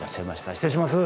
失礼します。